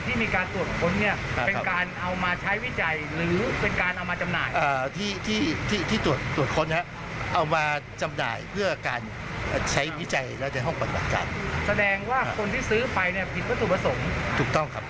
ก็มีโทษตามกฎหมายก็คือจำคุกไม่เกิน๓ปีปรับไม่เกิน๓๐๐๐๐๐บาทจำต้องกลับ